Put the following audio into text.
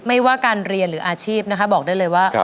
ไม่ว่าการเรียนหรืออาชีพนะคะบอกได้เลยว่า